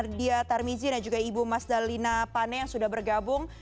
terima kasih ibu siti nadia tarmizi dan juga ibu mas dalina pane yang sudah bergabung